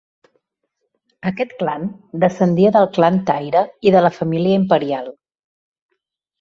Aquest clan descendia del clan Taira i de la família imperial.